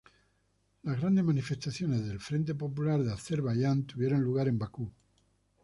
Las grandes manifestaciones del Frente Popular de Azerbaiyán tuvieron lugar en Bakú.